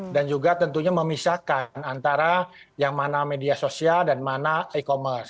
dan juga tentunya memisahkan antara yang mana media sosial dan mana e commerce